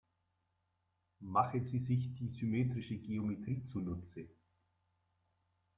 Machen Sie sich die symmetrische Geometrie zunutze.